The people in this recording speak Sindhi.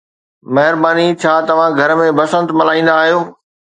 مهرباني. ڇا توهان گهر ۾ بسنت ملهائيندا آهيو؟